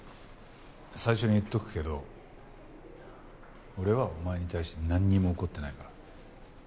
最初に言っとくけど俺はお前に対してなんにも怒ってないから。